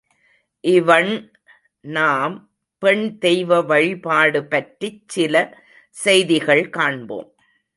இவண் நாம் பெண் தெய்வ வழிபாடு பற்றிச் சில செய்திகள் காண்போம்.